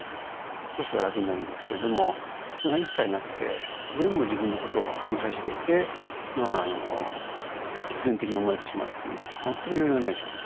少しは楽になるんですけれどもそれが一切なくて全部自分のことを指さしていて必然的に思えてしまうという全く余裕がない状態。